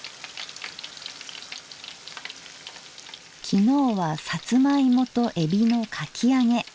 昨日はさつまいもとえびのかき揚げ。